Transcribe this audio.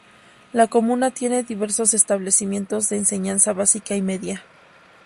La comuna tiene diversos establecimientos de enseñanza básica y media.